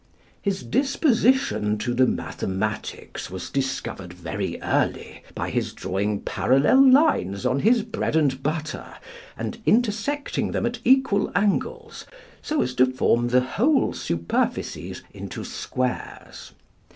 His disposition to the mathematics was discovered very early, by his drawing parallel lines on his bread and butter, and intersecting them at equal angles, so as to form the whole superficies into squares.